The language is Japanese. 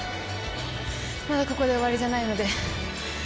まだここで終わりじゃないので。